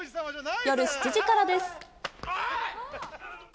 夜７時からです。